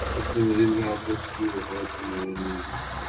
اس نے مزید کہا کچھ بھِی بہت نُمایاں نہیں ہے